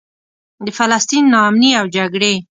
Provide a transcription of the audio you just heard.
د فلسطین نا امني او جګړې.